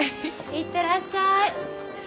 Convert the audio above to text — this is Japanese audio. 行ってらっしゃい。